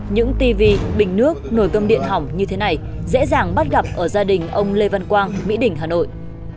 những tv bình nước nồi cơm điện hỏng như thế này dễ dàng bắt gặp ở gia đình ông lê văn quang mỹ đình hà nội